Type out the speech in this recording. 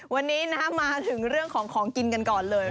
วันนี้นะมาถึงเรื่องของของกินกันก่อนเลย